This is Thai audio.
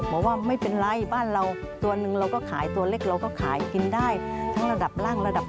บอกว่าไม่เป็นไรบ้านเราตัวหนึ่งเราก็ขายตัวเล็กเราก็ขายกินได้ทั้งระดับล่างระดับ